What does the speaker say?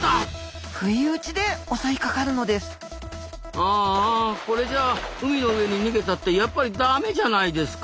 ああこれじゃあ海の上に逃げたってやっぱりダメじゃないですか。